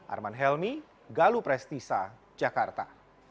arman helmi galu prestisa jakarta